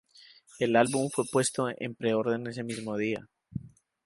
El álbum fue puesto en pre-orden ese mismo día.